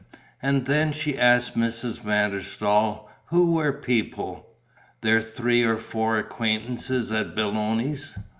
And then, she asked Mrs. van der Staal, who were "people?" Their three or four acquaintances at Belloni's?